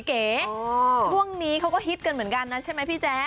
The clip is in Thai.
ช่วงนี้เขาก็ฮิตกันเหมือนกันนะใช่ไหมพี่แจ๊ค